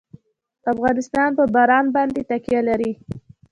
افغانستان په باران باندې تکیه لري.